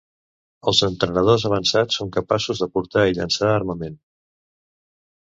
Els entrenadors avançats són capaços de portar i llançar armament.